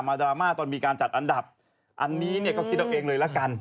ดราม่าตอนมีการจัดอันดับอันนี้เนี่ยก็คิดเอาเองเลยละกัน